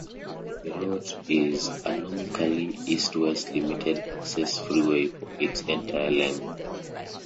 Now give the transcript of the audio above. The route is a nominally east-west limited-access freeway for its entire length.